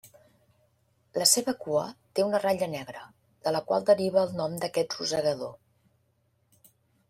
La seva cua té una ratlla negra, de la qual deriva el nom d'aquest rosegador.